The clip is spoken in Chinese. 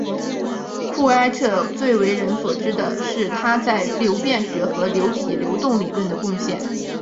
库埃特最为人所知的是他在流变学和流体流动理论的贡献。